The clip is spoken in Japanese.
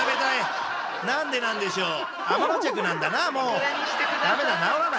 何でなんでしょう？